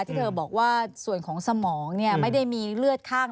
ที่เธอบอกว่าส่วนของสมองไม่ได้มีเลือดข้าง